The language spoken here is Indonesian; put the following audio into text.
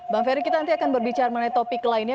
bang ferry kita nanti akan berbicara mengenai topik lainnya